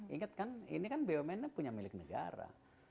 ingat kan ini kan bumn punya milik negara